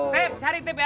setip cari setip ya